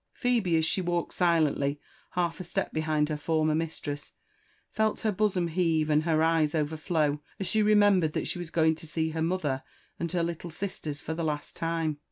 Phebe, as she walked silently half a step behind her former mistresi, felt her bosom heave and her eyes overflow as she remembered that she was going to see her mother and her little sisters for the last time.